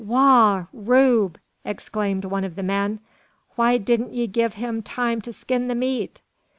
"Wagh! Rube!" exclaimed one of the men; "why didn't ye give him time to skin the meat?